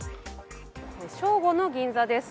正午の銀座です。